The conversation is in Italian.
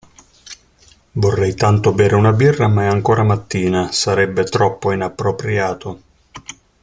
Vorrei tanto bere una birra, ma è ancora mattina, sarebbe troppo inappropriato.